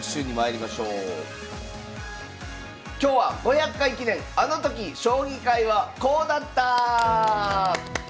今日は「５００回記念あのとき将棋界はこうだった！」。